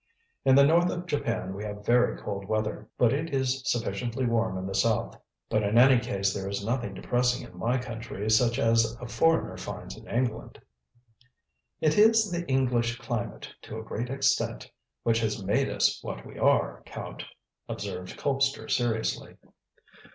"In the north of Japan we have very cold weather, but it is sufficiently warm in the south. But in any case, there is nothing depressing in my country, such as a foreigner finds in England." "It is the English climate, to a great extent, which has made us what we are, Count," observed Colpster seriously.